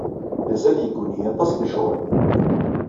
Mazal yegguni-iyi aṭas n ccɣel.